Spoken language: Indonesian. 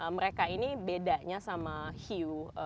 mereka ini bedanya sama hiu